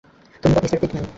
ধন্যবাদ, mister Whitman.